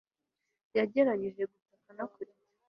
yagerageje gutaka no kurira